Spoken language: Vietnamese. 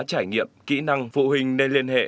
trải nghiệm kỹ năng phụ hình nên liên hệ